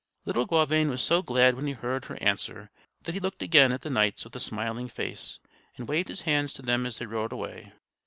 Little Gauvain was so glad when he heard her answer that he looked again at the knights with a smiling face, and waved his hand to them as they rode away.